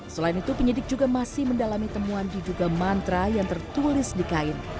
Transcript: selain itu penyidik juga masih mendalami temuan diduga mantra yang tertulis di kain